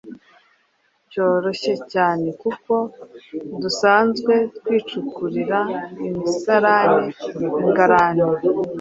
cyoroshye cyane kuko dusanzwe twicukurira imisarane, ingarani